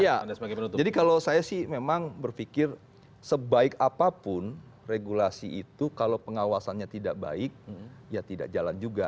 iya jadi kalau saya sih memang berpikir sebaik apapun regulasi itu kalau pengawasannya tidak baik ya tidak jalan juga